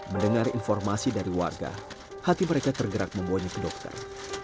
mendengar informasi dari warga hati mereka tergerak membunyik dokter